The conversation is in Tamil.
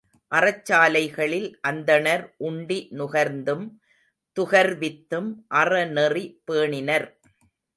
அறச் சாலைகளில் அந்தணர் உண்டி நுகர்ந்தும் துகர்வித்தும் அறநெறி பேணினர்.